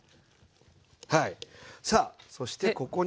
さあそしてここに。